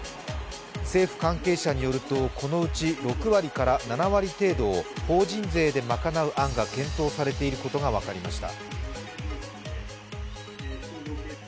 政府関係者によるとこのうち６割から７割程度を法人税で賄う案が検討されていることが分かりました。